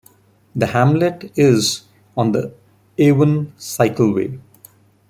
The hamlet is on the Avon Cycleway.